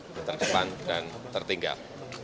yang terdepan dan tertinggal